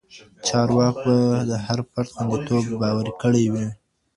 چارواکو به د هر فرد خوندیتوب باوري کړی وي.